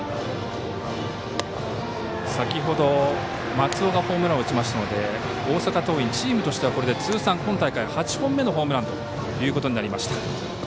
先ほど、松尾がホームランを打ちましたので大阪桐蔭、チームとしては通算、今大会８本目のホームランということになりました。